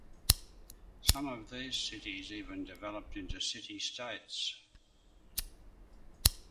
Some of these cities even developed into city-states.